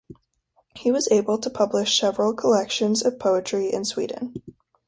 He was able to publish several collections of poetry in Sweden.